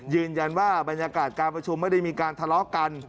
ยืนยันว่าบรรยากาศการประชุมไม่ได้มีการทะเลาะกัน